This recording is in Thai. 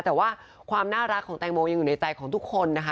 แต่ว่าความน่ารักของแตงโมยังอยู่ในใจของทุกคนนะคะ